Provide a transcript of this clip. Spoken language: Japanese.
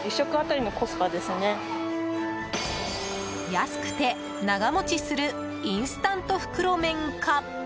安くて長持ちするインスタント袋麺か？